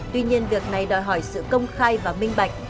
tuy nhiên việc này đòi hỏi sự công khai và minh bạch